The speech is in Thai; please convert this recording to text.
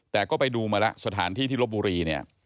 แต่ก็ไปดูมาแล้วสถานที่ที่ลบบุรีเนี่ย